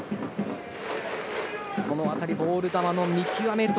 この辺り、ボール球の見極め